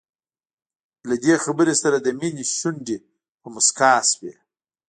له دې خبرې سره د مينې شونډې په مسکا شوې.